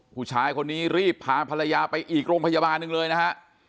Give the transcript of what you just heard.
ผู้ชายคนนี้รีบพาภรรยาไปอีกโรงพยาบาลหนึ่งเลยนะฮะ